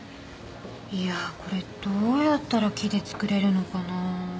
いやこれどうやったら木で作れるのかなぁ。